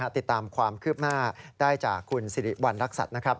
ติดตามความคืบหน้าได้จากคุณสิริวัณรักษัตริย์นะครับ